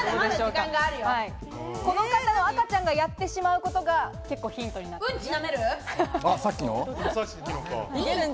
この方の赤ちゃんがやってしまうことが結構ヒントになっています。